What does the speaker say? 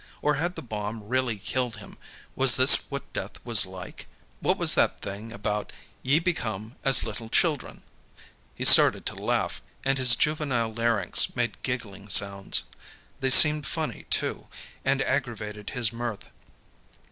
Or had the bomb really killed him; was this what death was like? What was that thing, about "ye become as little children"? He started to laugh, and his juvenile larynx made giggling sounds. They seemed funny, too, and aggravated his mirth.